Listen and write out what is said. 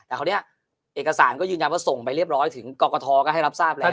แต่คราวนี้เอกสารก็ยืนยันว่าส่งไปเรียบร้อยถึงกรกฐก็ให้รับทราบแล้ว